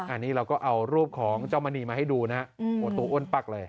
อันนี้เราก็เอารูปของเจ้ามณีมาให้ดูนะฮะตัวอ้วนปักเลย